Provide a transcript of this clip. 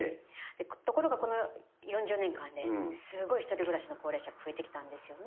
ところがこの４０年間で、すごい１人暮らしの高齢者って増えてきたんですよね。